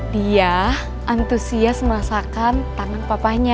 dia antusias merasakan tangan papanya